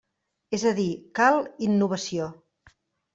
És a dir, cal innovació.